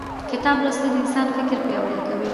کتاب لوستل د انسان فکر پیاوړی کوي